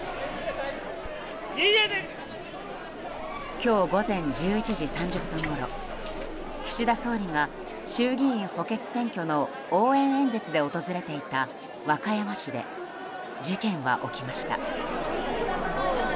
今日午前１１時３０分ごろ岸田総理が衆議院補欠選挙の応援演説で訪れていた和歌山市で事件は起きました。